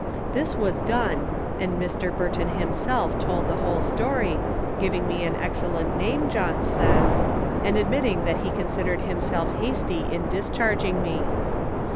This was done, and Mr. Burton himself told the whole story, giving me an. excellent name, Johns says, and admitting that he considered himself hasty in discharging me.